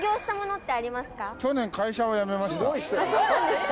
そうなんですか。